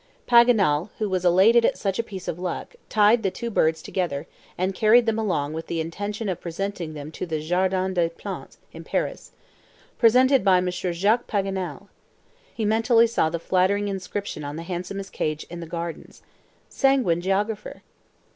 Paganel, who was elated at such a piece of luck, tied the two birds together, and carried them along with the intention of presenting them to the Jardin des Plantes, in Paris. "Presented by M. Jacques Paganel." He mentally saw the flattering inscription on the handsomest cage in the gardens. Sanguine geographer!